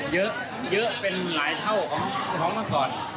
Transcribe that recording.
เยอะเยอะเป็นหลายเท่าของเมื่อก่อน